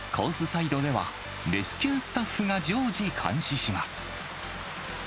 サイドでは、レスキュースタッフが常時、監視します。